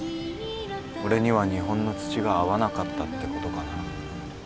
俺には日本の土が合わなかったってことかな。